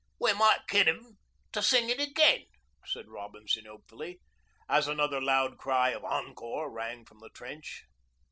'We might kid 'em to sing it again,' said Robinson hopefully, as another loud cry of 'Encore!' rang from the trench.